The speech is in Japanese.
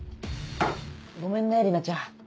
ごめんね里奈ちゃん。